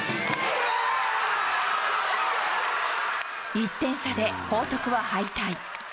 １点差で報徳は敗退。